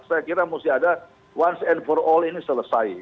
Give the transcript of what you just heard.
saya kira mesti ada once and for all ini selesai